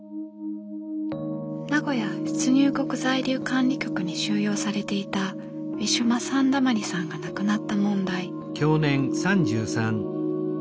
名古屋出入国在留管理局に収容されていたウィシュマ・サンダマリさんが亡くなった問題。